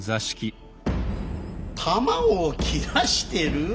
卵を切らしてる？